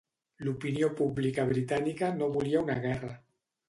L'opinió pública britànica no volia una guerra.